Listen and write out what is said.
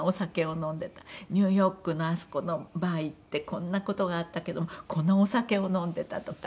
ニューヨークのあそこのバー行ってこんな事があったけどこのお酒を飲んでたとか。